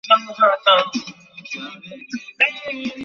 এই-সব জিনিসই তো জীবনকে সতেজ, মৃত্যুকে রমণীয় করে তোলে।